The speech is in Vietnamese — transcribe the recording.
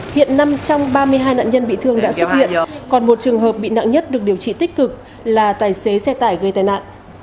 hiện năm trong ba mươi hai nạn nhân bị thương đã xuất hiện còn một trường hợp bị nặng nhất được điều trị tích cực là tài xế xe tải gây tai nạn